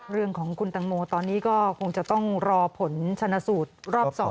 เรื่องของคุณตังโมตอนนี้ก็คงจะต้องรอผลชนะสูตรรอบ๒